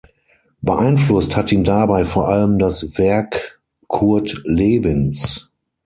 Beeinflusst hat ihn dabei vor allem das Werk Kurt Lewins.